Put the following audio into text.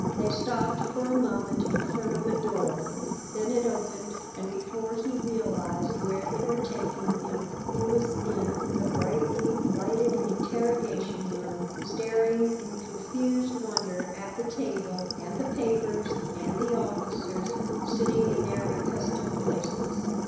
They stopped for a moment in front of a door; then it opened, and before he realized where they were taking him he was in the brightly lighted interrogation room, staring in confused wonder at the table and the papers and the officers sitting in their accustomed places.